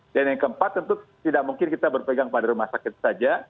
dan yang keempat tentu tidak mungkin kita berpegang pada rumah sakit saja